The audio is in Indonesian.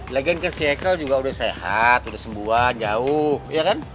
lagian kan si ekel juga udah sehat udah sembuhan jauh iya kan